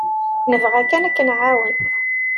Nebɣa kan ad k-nɛawen.